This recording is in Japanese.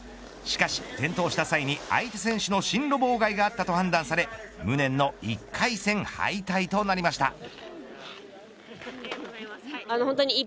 しかし転倒した際に、相手選手の進路妨害があったと判断され無念の１回戦敗退となりました。